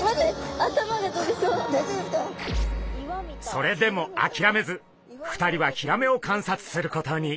それでもあきらめず２人はヒラメを観察することに。